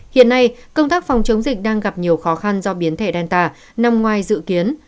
hiện nay công tác phòng chống dịch đang gặp nhiều khó khăn do biến thể đàn tà nằm ngoài dự kiến